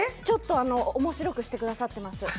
ちょっと面白くしてくださってます。